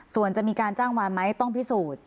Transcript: ส่วนจะมีการจ้างวานไหมต้องพิสูจน์